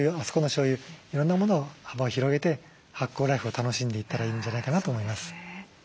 いろんなものを幅を広げて発酵ライフを楽しんでいったらいいんじゃないかなと思います。